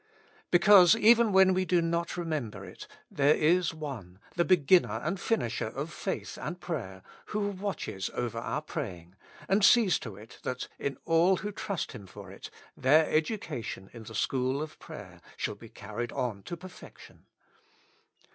Because even when we do not remember it, there is One, the Be ginner and Finisher of faith and prayer, who watches over our praying, and sees to it that i7i all who trust Him for it their education in the school of prayer shall be carried on to perfection.